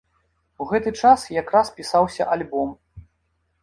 У гэты час якраз пісаўся альбом.